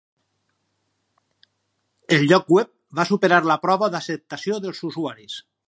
El lloc web va superar la prova d'acceptació dels usuaris.